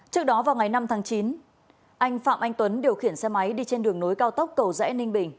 trước đó vào ngày năm tháng chín anh phạm anh tuấn điều khiển xe máy đi trên đường nối cao tốc cầu rẽ ninh bình